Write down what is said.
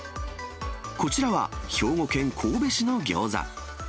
こちらは兵庫県神戸市のギョーザ。